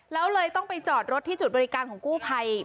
แล้วเลยต้องไปจอดรถที่จุดบริการของกู้ภัย